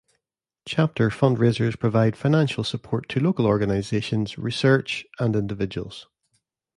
Chapter fundraisers provide financial support to local organizations, research, and individuals.